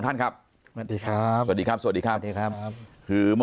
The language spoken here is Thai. ปากกับภาคภูมิ